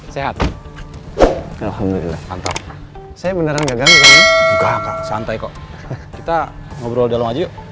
sehat alhamdulillah saya beneran ganteng santai kok kita ngobrol aja yuk